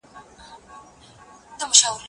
زه مخکي د کتابتون لپاره کار کړي وو!؟